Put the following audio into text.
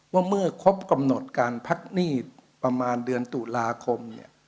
ว่าเมื่อครบกำหนดการพักหนี้ประมาณเดือนตุลาคม